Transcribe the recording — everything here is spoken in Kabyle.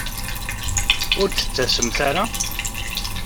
Ur d-tettasemt ara?